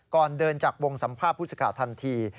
ก่อนเดินจากวงสัมภาพภูชิ์สึกข่าวทันที